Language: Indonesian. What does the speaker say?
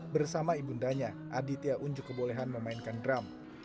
bersama ibu undanya aditya unjuk kebolehan memainkan drum